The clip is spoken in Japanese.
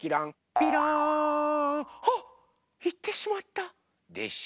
びろん！あっいってしまった！でしょ。